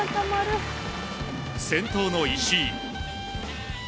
先頭の石井。